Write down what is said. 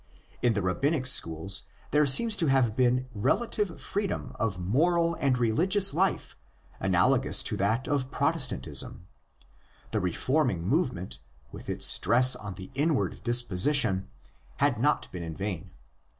In the Rabbinic schools there seems to have been a relative freedom of moral and religious life analogous to that of Protes tantism. The reforming movement, with its stress on the inward disposition, had not been in vain.